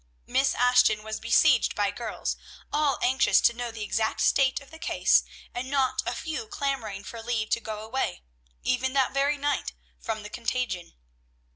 Miss Ashton was besieged by girls, all anxious to know the exact state of the case, and not a few clamoring for leave to go away, even that very night, from the contagion.